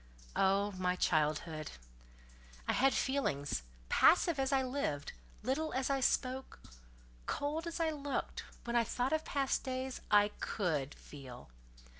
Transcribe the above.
Oh, my childhood! I had feelings: passive as I lived, little as I spoke, cold as I looked, when I thought of past days, I could feel.